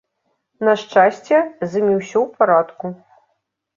На шчасце, з імі ўсё ў парадку.